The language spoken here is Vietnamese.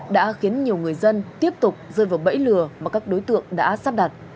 đã khiến nhiều người dân tiếp tục rơi vào bẫy lừa mà các đối tượng đã sắp đặt